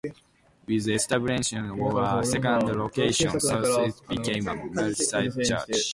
With the establishment of a second location, Southeast became a multi-site church.